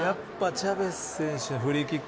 チャヴェス選手のフリーキック。